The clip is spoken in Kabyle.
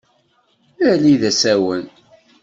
Ali d asawen.